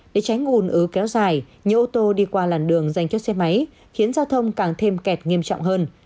để tránh ủn ứ kéo dài nhiều ô tô đi qua làn đường dành cho xe máy khiến giao thông càng thêm kẹt nghiêm trọng hơn